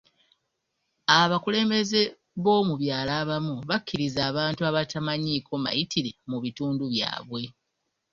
Abakulembeze b'omu byalo abamu bakkiriza abantu abatamanyiiko mayitire mu bitundu byabwe.